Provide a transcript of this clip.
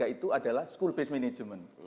tiga itu adalah school based management